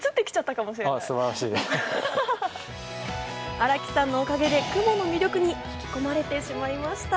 荒木さんのおかげで雲の魅力に引き込まれてしまいました。